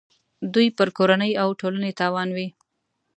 دوی پر کورنۍ او ټولنې تاوان وي.